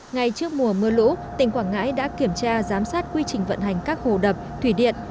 ngay trước mùa mưa lũ tỉnh quảng ngãi đã kiểm tra giám sát quy trình vận hành các hồ đập thủy điện